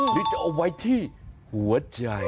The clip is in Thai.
หรือจะเอาไว้ที่หัวใจ